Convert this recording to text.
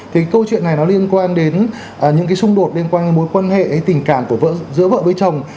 thì câu chuyện này nó liên quan đến những cái xung đột liên quan đến mối quan hệ tình cảm của vợ với chồng